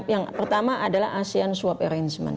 yang pertama adalah asean swap arrangement